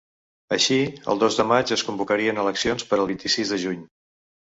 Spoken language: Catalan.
Així, el dos de maig es convocarien eleccions per al vint-i-sis de juny.